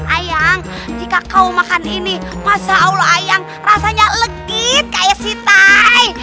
ayang jika kau makan ini masya allah ayang rasanya legit kayak sitai